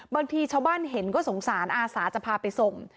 บางทีชาวบ้านเห็นก็สงสารอาสาจะพาไปส่ง